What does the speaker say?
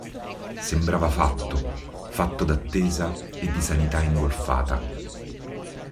Sembrava fatto: fatto d'attesa e di sanità ingolfata.